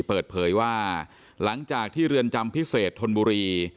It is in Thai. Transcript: เปิดเผยว่าหลังจากที่เรือนจำพิเศษธนบุรี